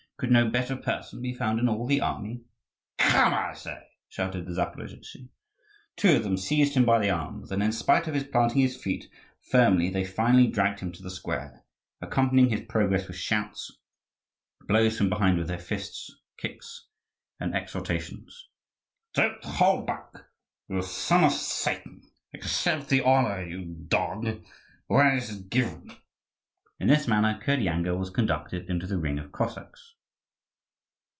Could no better person be found in all the army?" "Come, I say!" shouted the Zaporozhtzi. Two of them seized him by the arms; and in spite of his planting his feet firmly they finally dragged him to the square, accompanying his progress with shouts, blows from behind with their fists, kicks, and exhortations. "Don't hold back, you son of Satan! Accept the honour, you dog, when it is given!" In this manner Kirdyanga was conducted into the ring of Cossacks.